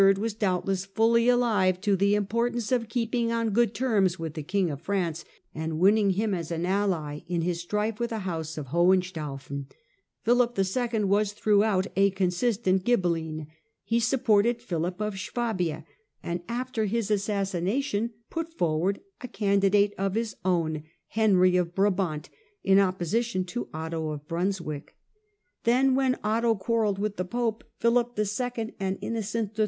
was, doubtless, fully alive to the importance of keeping on good terms with the King of France, and winning him as an ally in his strife with the house of Hohenstaufen. Philip II. was throughout a consistent Ghibeline. He supported Philip of Swabia, and after his assassination put forward a candidate of his own, Henry of Brabant, in opposition to Otto of Brunswick. Then, when Otto quarrelled with the Pope, Philip 11. and Innocent III.